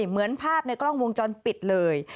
เหมือนภาพในกล้องวงจรปิดเลย